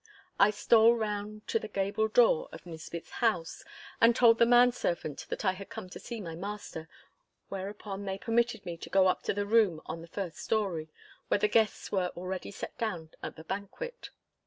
I stole round to the gable door of Nisbett's house, and told the manservant that I had come to see my master, whereupon they permitted me to go up to the room on the first storey, where the guests were already set down at the banquet.